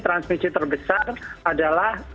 transmisi terbesar adalah